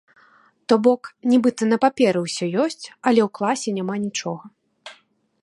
То бок, нібыта на паперы ўсё ёсць, але ў класе няма нічога.